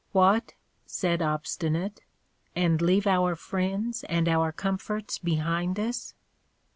What, said Obstinate, and leave our friends and our comforts behind us!